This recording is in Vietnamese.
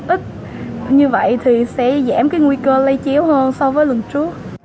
ít như vậy thì sẽ giảm cái nguy cơ lây chéo hơn so với lần trước